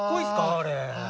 あれ。